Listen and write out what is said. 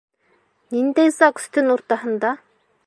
Ниндәй ЗАГС төн уртаһында?